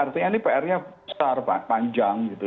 artinya ini pr nya besar pak panjang gitu